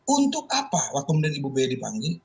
untuk apa waktu kemudian ibu b dipanggil